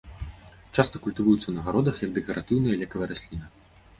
Часта культывуецца на гародах як дэкаратыўная і лекавая расліна.